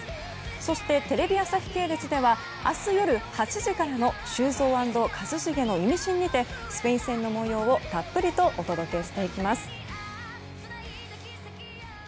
そして、テレビ朝日系列では明日夜８時からの「修造＆一茂のイミシン」にてスペイン戦の模様をたっぷりとお届けしていきます。